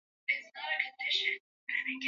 mustafa ni mjanja